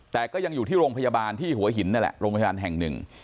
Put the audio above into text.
แต่ก็ยังอยู่ที่โรงพยาบาลที่หัวหินนั่นแหละโรงพยาบาลแห่งหนึ่ง